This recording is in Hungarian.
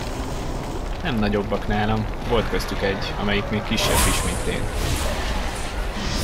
Nem nagyobbak nálam, volt köztük egy, amelyik még kisebb is, mint én.